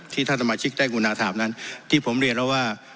ท่านสมาชิกได้กุณาถามนั้นที่ผมเรียนแล้วว่า